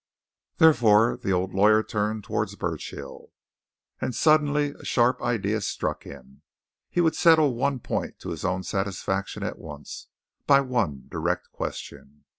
Therefore the old lawyer turned towards Burchill. And suddenly a sharp idea struck him. He would settle one point to his own satisfaction at once, by one direct question.